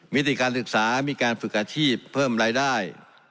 มิติการศึกษามีการฝึกอาชีพเพิ่มรายได้